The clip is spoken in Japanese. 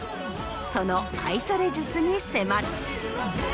その愛され術に迫る。